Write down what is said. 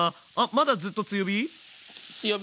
まだずっと強火？